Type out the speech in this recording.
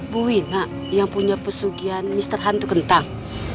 bu wina yang punya persugian mister hantu kentang